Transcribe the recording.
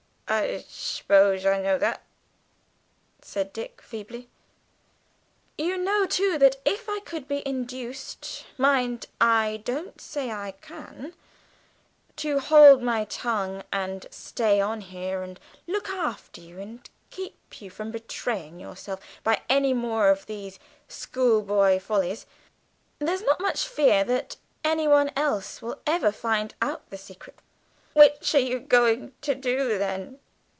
"I shpose I know that," said Dick feebly. "You know too, that if I could be induced mind, I don't say I can to hold my tongue and stay on here and look after you and keep you from betraying yourself by any more of these schoolboy follies, there's not much fear that anyone else will ever find out the secret " "Which are you going to do, then?"